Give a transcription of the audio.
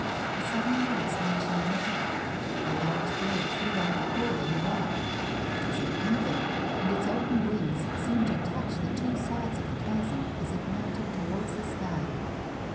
A sadden noise made Jeanne look up. A large bird flew out of a hole in the rock ; it was an eagle, and its open wings seemed to touch the two sides of the chasm as it mounted towai ds the sky.